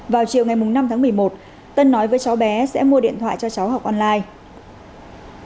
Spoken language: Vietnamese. vào chiều ngày năm tháng một mươi một tân nói với cháu bé sẽ mua điện thoại cho cháu học online